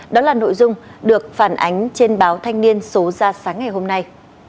đó là nội dung được phản ánh trên báo thanh niên số ra sáng ngày hôm nay